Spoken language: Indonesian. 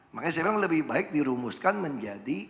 makanya saya bilang lebih baik dirumuskan menjadi